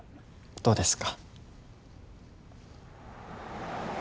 どうですか？